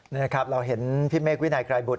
นี่นะครับเราเห็นพี่เมฆวินัยไกรบุต